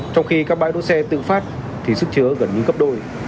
trong khi các bãi đỗ xe tự phát thì sức chứa gần như gấp đôi